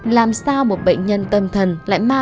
làm sao một bệnh nhân tâm thần lại ma ma túy